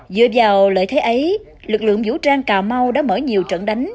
dựa vào lợi thế ấy lực lượng vũ trang cà mau đã mở nhiều trận đánh